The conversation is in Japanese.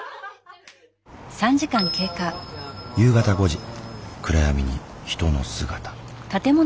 夕方５時暗闇に人の姿。